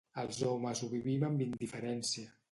Els homes ho vivim amb indiferència.